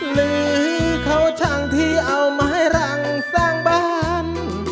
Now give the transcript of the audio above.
หรือเขาช่างที่เอามาให้รังสร้างบ้าน